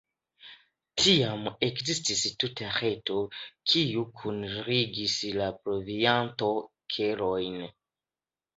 Tiam ekzistis tuta reto, kiu kunligis la provianto-kelojn.